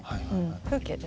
風景です。